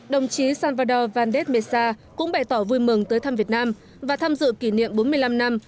đồng chí salvador vandes mesa cũng bày tỏ vui mừng tới thăm việt nam và tham dự kỷ niệm bốn mươi năm năm